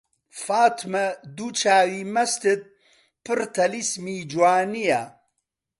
فاتمە دوو چاوی مەستت پڕ تەلیسمی جوانییە